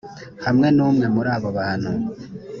hamwe n umwe muri abo bantu